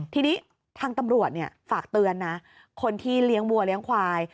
ทีนี้ทางตำรวจฝากเตือนนะคนที่เลี้ยงวัวเลี้ยงควาย